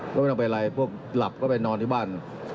ก็ไม่ต้องไปไรพวกหลับก็ไปนอนที่บ้าน